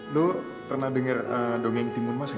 lo pernah denger dongeng timun mas gak